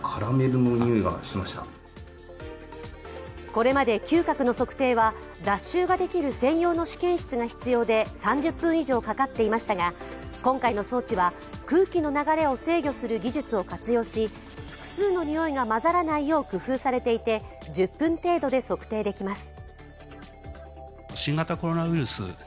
これまで嗅覚の測定は脱臭ができる専用の試験室が必要で３０分以上かかっていましたが、今回の装置は空気の流れを制御する技術を活用し、複数のにおいが混ざらないよう工夫されていて１０分程度で測定できます。